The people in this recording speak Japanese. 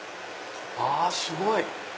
あすごい。